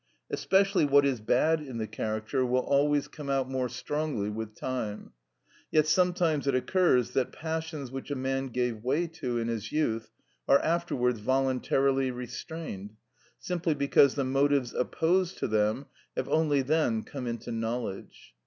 Especially what is bad in the character will always come out more strongly with time, yet sometimes it occurs that passions which a man gave way to in his youth are afterwards voluntarily restrained, simply because the motives opposed to them have only then come into knowledge.